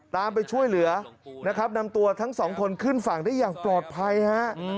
ไปช่วยเหลือนะครับนำตัวทั้งสองคนขึ้นฝั่งได้อย่างปลอดภัยฮะ